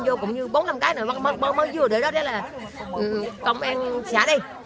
vô cũng như bốn năm cái mới vừa đến đó đây là công an xá đây